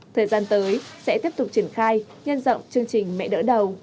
thời gian tới sẽ tiếp tục triển khai nhân rộng chương trình mẹ đỡ đầu